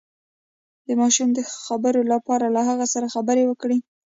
د ماشوم د خبرو لپاره له هغه سره خبرې وکړئ